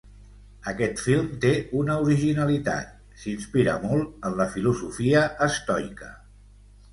Aquest film té una originalitat: s'inspira molt en la filosofia estoica.